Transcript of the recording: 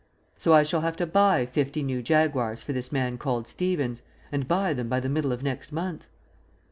So I shall have to buy fifty new Jaguars for this man called Stevens and buy them by the middle of next month.